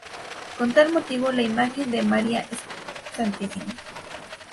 Con tal motivo, la imagen de María Stma.